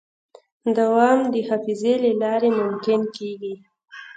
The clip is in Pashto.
دوام د حافظې له لارې ممکن کېږي.